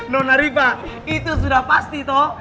nona riva itu sudah pasti toh